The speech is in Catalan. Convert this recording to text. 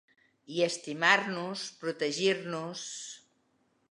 I estimar-nos, protegir-nos.